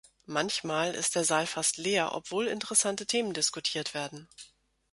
Manchmal ist der Saal fast leer, obwohl interessante Themen diskutiert werden.